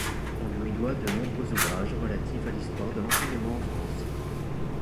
On lui doit de nombreux ouvrages relatifs à l'histoire de l'enseignement en France.